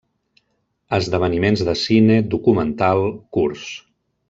Esdeveniments de cine, documental, curts.